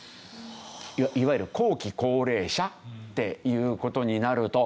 いわゆる後期高齢者っていう事になると。